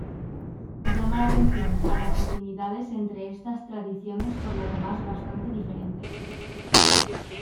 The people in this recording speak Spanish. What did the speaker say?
Llama la atención a las afinidades entre estas tradiciones por lo demás bastante diferentes.